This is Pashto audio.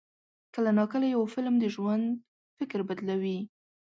کله ناکله یو فلم د ژوند فکر بدلوي.